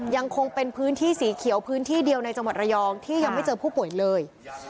ยังคงเป็นพื้นที่สีเขียวพื้นที่เดียวในจังหวัดระยองที่ยังไม่เจอผู้ป่วยเลย